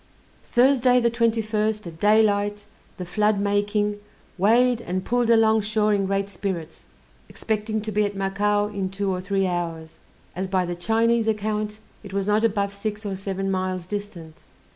Thursday, the 21st, at daylight, the flood making, weighed and pulled along shore in great spirits, expecting to be at Macao in two or three hours, as by the Chinese account it was not above six or seven miles distant.